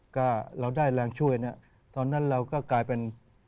ก็เราได้แรงช่วยเนี่ยตอนนั้นเราก็กลายเป็น